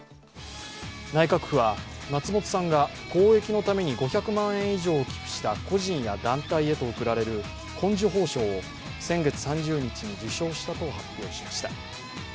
内閣府は松本さんが公益のために５００万円以上を寄付した個人や団体へと贈られる紺綬褒章を先月３０日に受章したと発表しました。